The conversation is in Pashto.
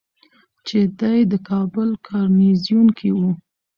چې دی د کابل ګارنیزیون کې ؤ